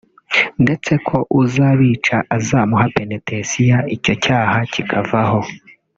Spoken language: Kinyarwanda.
ndetse ko uzabica azamuha penetensiya icyo cyaha kikavaho